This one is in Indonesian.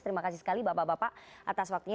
terima kasih sekali bapak bapak atas waktunya